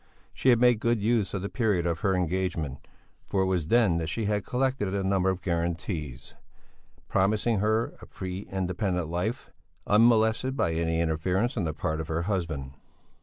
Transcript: She had made good use of the period of her engagement, for it was then that she had collected a number of guarantees, promising her a free and independent life, unmolested by any interference on the part of her husband.